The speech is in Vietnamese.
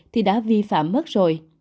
thì đã vi phạm mất rồi